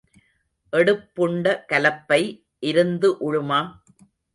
எடுப்புண்ட கலப்பை இருந்து உழுமா?